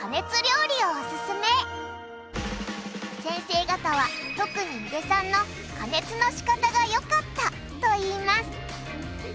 先生方は特に井出さんの加熱の仕方が良かったといいます。